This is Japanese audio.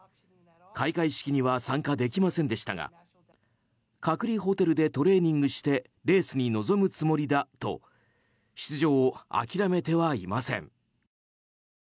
開会式には参加できませんでしたが隔離ホテルでトレーニングしてレースに臨むつもりだと出場を諦めてはいません。